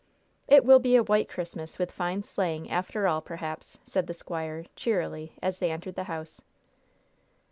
"It will be a white Christmas, with fine sleighing, after all, perhaps," said the squire, cheerily, as they entered the house.